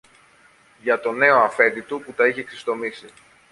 για τον νέον Αφέντη του που τα είχε ξεστομίσει.